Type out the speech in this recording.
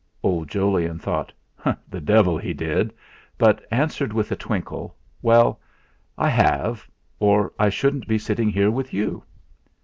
Old Jolyon thought: 'The devil he did!' but answered with a twinkle: "Well, I have, or I shouldn't be sitting here with you."